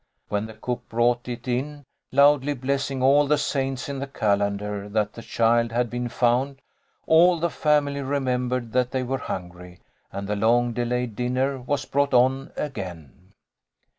When the cook brought it in, loudly blessing all the saints in the calendar that the child had been found, all the family remembered that they were hungry and the long delayed dinner was brought on again.